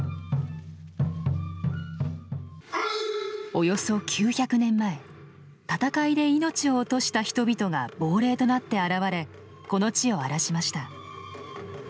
およそ９００年前戦いで命を落とした人々が亡霊となって現れこの地を荒らしました。